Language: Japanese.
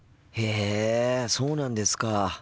へえそうなんですか。